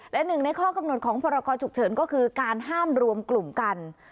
และหนึ่งในข้อกำหนดของพรกรฉุกเฉินก็คือการห้ามรวมกลุ่มกัน